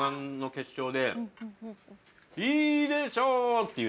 「いいでしょう」っていう。